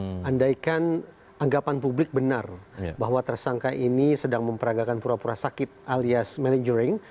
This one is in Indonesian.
andaikan anggapan publik benar bahwa tersangka ini sedang memperagakan pura pura sakit alias manajering